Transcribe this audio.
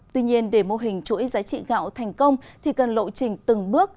tuy nhiên để mô hình chuỗi giá trị gạo thành công thì cần lộ trình từng bước